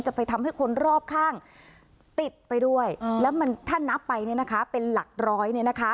จะไปทำให้คนรอบข้างติดไปด้วยแล้วมันถ้านับไปเป็นหลักร้อย